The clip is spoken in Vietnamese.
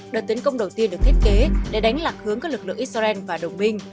đợt tấn công đầu tiên được thiết kế để đánh lạc hướng các lực lượng israel và đồng minh